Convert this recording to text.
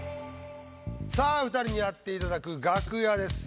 さあ２人にやっていただく「楽屋」です。